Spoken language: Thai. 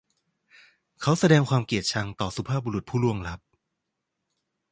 เขาแสดงความเกลียดชังต่อสุภาพบุรุษผู้ล่วงลับ